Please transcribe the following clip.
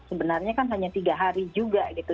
sebenarnya kan hanya tiga hari juga gitu